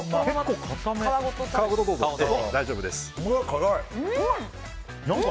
皮ごと食べて大丈夫です。